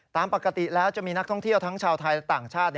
ตามปกติแล้วจะมีนักท่องเที่ยวทั้งชาวไทยและต่างชาติ